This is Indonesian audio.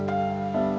gak ada apa apa